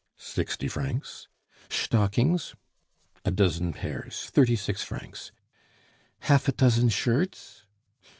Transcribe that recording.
"Sixty francs." "Shtockings " "A dozen pairs thirty six francs." "Half a tozzen shirts."